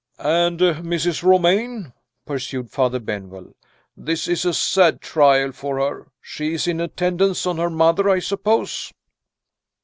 "And Mrs. Romayne?" pursued Father Benwell. "This is a sad trial for her. She is in attendance on her mother, I suppose?"